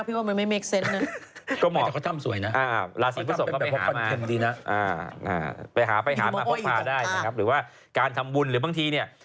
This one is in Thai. ก็เหมาะราศีพศพก็ไปหามาไปหามาพบภาคได้นะครับหรือว่าการทำบุญหรือบางทีเนี่ย